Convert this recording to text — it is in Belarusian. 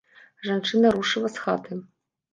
Жанчына рушыла з хаты.